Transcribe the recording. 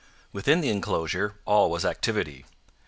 Within the enclosure all was activity.